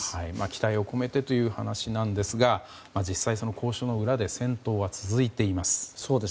期待を込めてという話なんですが実際に交渉の裏で戦闘は続いています。